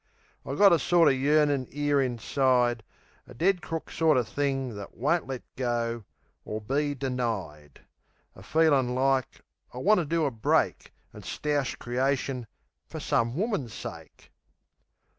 I got a sorter yearnin' 'ere inside, A dead crook sorter thing that won't let go Or be denied A feelin' like I want to do a break, An' stoush creation for some woman's sake.